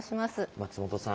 松本さん。